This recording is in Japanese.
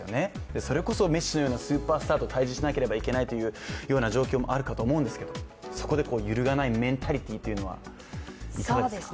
それこそメッシのようなスーパースターと対峙しなければならないこともあるかと思うんですけども、そこで揺るがないメンタリティーというのはいかがですか？